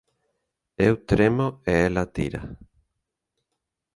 Eu tremo e ela tira.